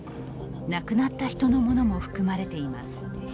亡くなった人のものも含まれています。